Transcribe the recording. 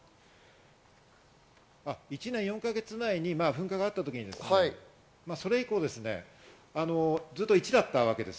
１年４か月前に噴火があったときですね、それ以降、ずっと１だったわけです。